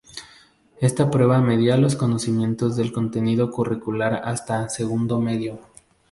Esta prueba medía los conocimientos del contenido curricular hasta segundo medio.